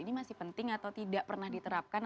ini masih penting atau tidak pernah diterapkan